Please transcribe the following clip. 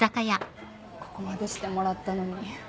ここまでしてもらったのに。